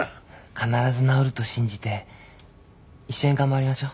必ず治ると信じて一緒に頑張りましょう。